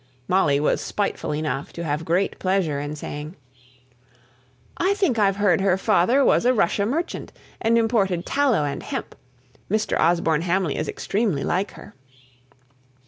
Molly was spiteful enough to have great pleasure in saying, "I think I've heard her father was a Russian merchant, and imported tallow and hemp. Mr. Osborne Hamley is extremely like her."